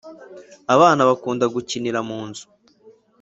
Abana bakunda gukinira munzu